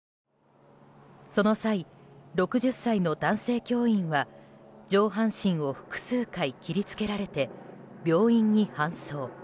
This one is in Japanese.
その際、６０歳の男性教員は上半身を複数回切りつけられて病院に搬送。